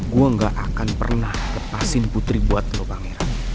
gua gak akan pernah lepasin putri buat lo bang ira